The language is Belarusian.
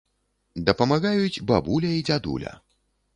Дапамагаюць бабуля і дзядуля.